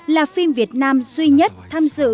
là phim việt nam duy nhất tham dự